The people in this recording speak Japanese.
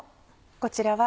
こちらは。